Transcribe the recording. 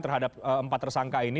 terhadap empat tersangka ini